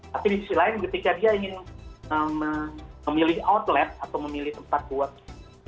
tapi di sisi lain ketika dia ingin memilih outlet atau memilih tempat buat